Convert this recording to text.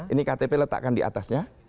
ini ktp letakkan di atasnya